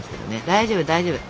大丈夫大丈夫。